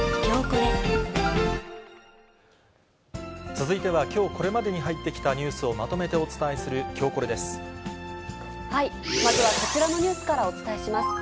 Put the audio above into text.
続いては、きょうこれまでに入ってきたニュースをまとめてお伝えする、まずはこちらのニュースからお伝えします。